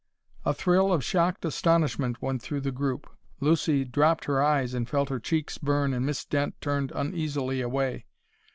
A thrill of shocked astonishment went through the group. Lucy dropped her eyes and felt her cheeks burn and Miss Dent turned uneasily away.